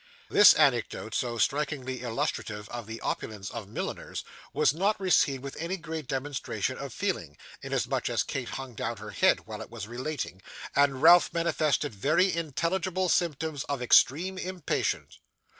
This anecdote, so strikingly illustrative of the opulence of milliners, was not received with any great demonstration of feeling, inasmuch as Kate hung down her head while it was relating, and Ralph manifested very intelligible symptoms of extreme impatience.